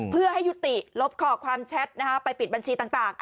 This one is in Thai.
เพื่อให้ยุติลบข้อความแชทไปปิดบัญชีต่าง